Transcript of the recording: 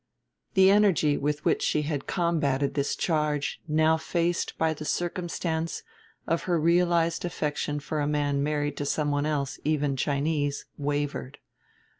The energy with which she had combated this charge now faced by the circumstance of her realized affection for a man married to some one else, even Chinese, wavered.